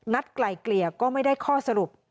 ไกลเกลี่ยก็ไม่ได้ข้อสรุป